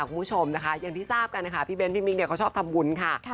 คุณผู้ชมนะคะอย่างที่ทราบกันนะคะพี่เบ้นพี่มิ๊กเนี่ยเขาชอบทำบุญค่ะ